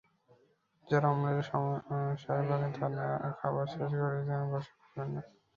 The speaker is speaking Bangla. যাঁরা অম্লের সমস্যার ভোগেন, তাঁরা খাবার শেষ করেই যেন বসে পড়বেন না।